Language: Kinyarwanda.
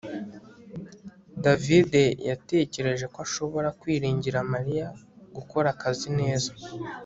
davide yatekereje ko ashobora kwiringira mariya gukora akazi keza